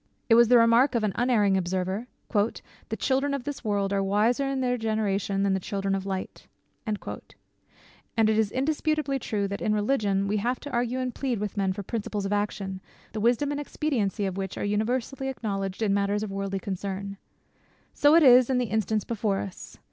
It was the remark of an unerring observer, "The children of this world are wiser in their generation than the children of light." And it is indisputably true, that in religion we have to argue and plead with men for principles of action, the wisdom and expediency of which are universally acknowledged in matters of worldly concern. So it is in the instance before us.